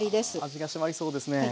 味が締まりそうですね。